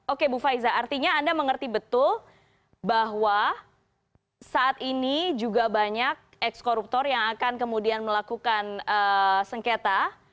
oke bu faiza artinya anda mengerti betul bahwa saat ini juga banyak ex koruptor yang akan kemudian melakukan sengketa